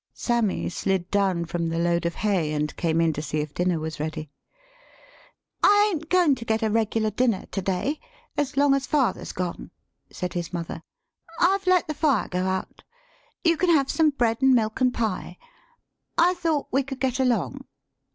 [Sammy slid down from the load of hay, and came in to see if dinner was ready. " I ain't goin' to get a regular dinner to day, as long as father's gone," said his mother. " I've let the fire go out. You can have some bread an* milk an' pie. I thought we could get along."